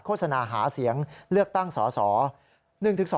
โศนาหาเสียงเลือกตั้งสส